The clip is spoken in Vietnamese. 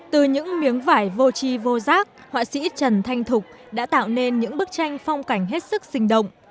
từ những miếng vải vô chi vô giác họa sĩ trần thanh thục đã tạo nên những bức tranh phong cảnh hết sức sinh động